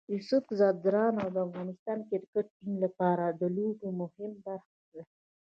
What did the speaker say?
یوسف ځدراڼ د افغانستان د کرکټ ټیم لپاره د لوبو مهمه برخه ده.